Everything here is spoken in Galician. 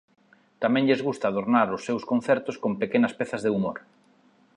Tamén lles gusta adornar os seus concertos con pequenas pezas de humor.